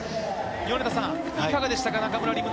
米田さん、いかがでしたか？